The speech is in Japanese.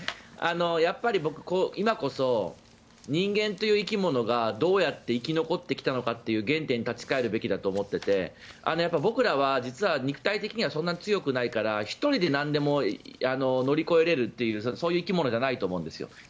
やっぱり今こそ人間という生き物がどうやって生き残ってきたのかという原点に立ち返るべきだと思っていて僕らは実は肉体的にはそんなに強くないから１人でなんでも乗り越えられるというそういう生き物じゃないと思うんですよ。